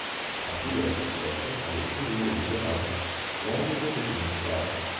Une partie de la population parle toujours le sorabe, langue d'origine slave.